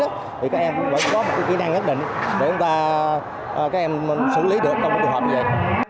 thì các em cũng phải có một kỹ năng nhất định để các em xử lý được trong một cuộc họp như vậy